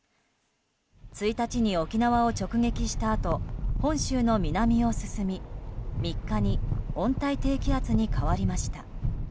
１日に沖縄を直撃したあと本州の南を進み３日に温帯低気圧に変わりました。